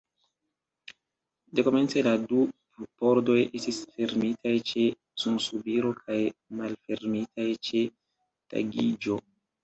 Dekomence la du pordoj estis fermitaj ĉe sunsubiro kaj malfermitaj ĉe tagiĝo.